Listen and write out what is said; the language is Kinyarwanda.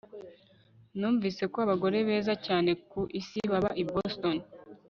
Numvise ko abagore beza cyane ku isi baba i Boston